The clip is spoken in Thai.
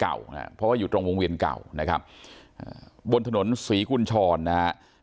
เพราะว่าอยู่ตรงวงเวียนเก่านะครับบนถนนศรีกุญชรนะฮะ